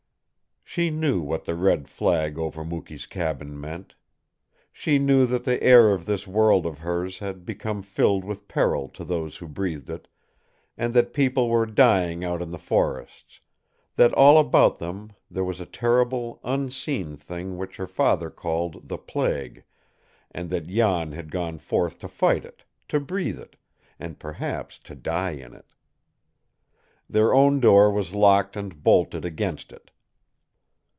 She knew what the red flag over Mukee's cabin meant. She knew that the air of this world of hers had become filled with peril to those who breathed it, and that people were dying out in the forests; that all about them there was a terrible, unseen thing which her father called the plague, and that Jan had gone forth to fight it, to breathe it, and, perhaps, to die in it. Their own door was locked and bolted against it.